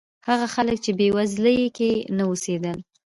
هغه خلک چې بېوزلۍ کې نه اوسېدل.